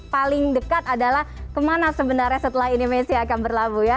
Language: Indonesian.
paling dekat adalah kemana sebenarnya setelah ini messi akan berlabuh ya